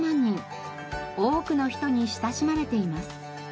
多くの人に親しまれています。